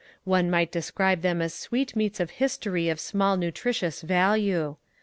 One might describe them as sweetmeats of history of small nutritious value.